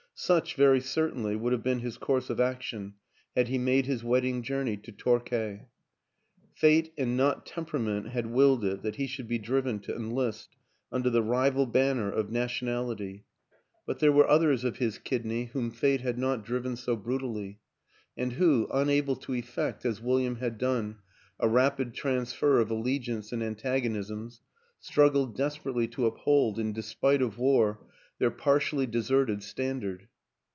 Such, very certainly, would have been his course of action had he made his wed ding journey to Torquay. Fate and not tempera ment had willed it that he should be driven to enlist under the rival banner of nationality; but WILLIAM AN ENGLISHMAN 211 there were others of his kidney whom fate had not driven so brutally, and who, unable to effect, as William had done, a rapid transfer of allegiance and antagonisms, struggled desperately to uphold, in despite of war, their partially deserted stand ard.